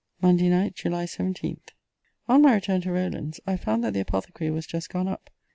MONDAY NIGHT, JULY 17. On my return to Rowland's, I found that the apothecary was just gone up.